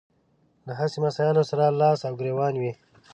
له هسې مسايلو سره لاس او ګرېوان وي.